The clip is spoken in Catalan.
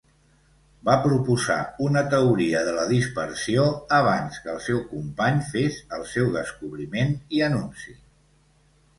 Va proposar una teoria de la dispersió abans que el seu company fes el seu descobriment i anunci.